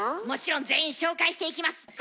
もちろん全員紹介していきます。